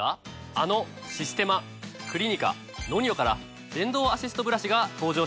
あのシステマクリニカＮＯＮＩＯから電動アシストブラシが登場したんです。